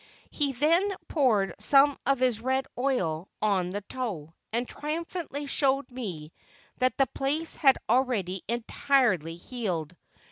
He then poured some of his red oil on the toe and triumphantly showed me that the place had already entirely healed.